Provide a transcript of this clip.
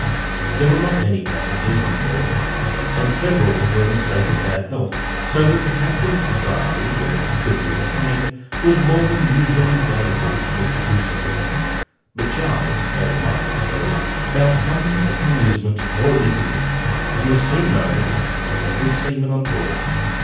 There were not many passengers on board, and several were in a state of bad health, so that the captain's society, when it could be obtained, was more than usually valuable to Mr. Crusoe; but Charles (as might be supposed) found company and amusement more easily, and was soon known and liked by every seaman on board.